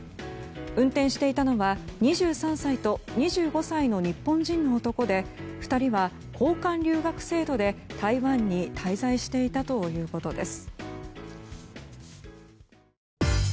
運転していたのは２３歳と２５歳の日本人の男で２人は交換留学制度で台湾に滞在していたということです。